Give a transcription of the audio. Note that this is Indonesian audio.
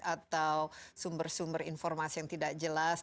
atau sumber sumber informasi yang tidak jelas